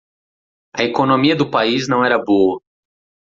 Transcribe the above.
A economia do país não era boa.